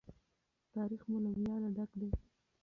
تاریخ مو له ویاړه ډک دی.